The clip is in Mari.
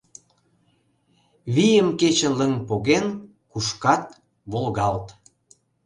Вийым кечын лыҥ поген кушкат, волгалт.